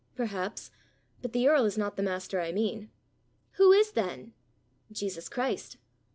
"Perhaps; but the earl is not the master I mean." "Who is, then?" "Jesus Christ."